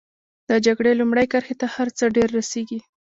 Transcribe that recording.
د جګړې لومړۍ کرښې ته هر څه ډېر رسېږي.